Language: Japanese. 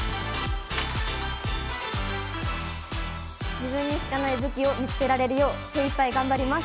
自分にしかない武器を見つけられるよう頑張ります。